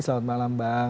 selamat malam bang